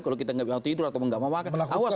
kalau kita gak mau tidur atau gak mau makan